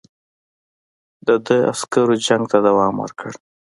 د ده عسکرو جنګ ته دوام ورکړ.